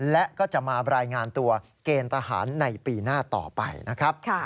และก็จะมารายงานตัวเกณฑ์ทหารในปีหน้าต่อไปนะครับ